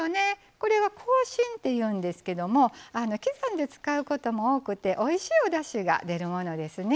これは、「こうしん」っていうんですけど刻んで使うことも多くておいしいおだしが出るんですね。